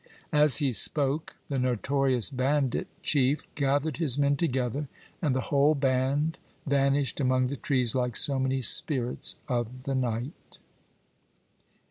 As he spoke the notorious bandit chief gathered his men together, and the whole band vanished among the trees like so many spirits of the night.